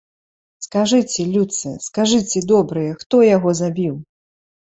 Скажыце, людцы, скажыце, добрыя, хто яго забіў?